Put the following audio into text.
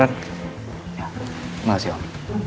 terima kasih om